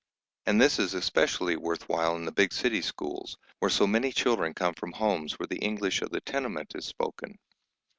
And this is especially worth while in the big city schools, where so many children come from homes where the English of the tenement is spoken.